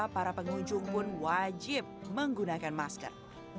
para pengunjung pun wajib menggunakan masker